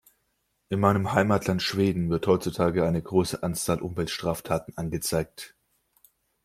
In meinem Heimatland Schweden wird heutzutage eine große Anzahl Umweltstraftaten angezeigt.